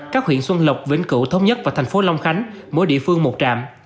các huyện xuân lộc vĩnh cửu thống nhất và thành phố long khánh mỗi địa phương một trạm